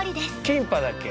キンパだっけ？